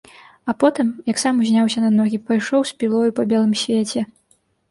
А потым, як сам узняўся на ногі, пайшоў з пілою па белым свеце.